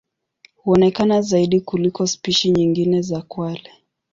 Huonekana zaidi kuliko spishi nyingine za kwale.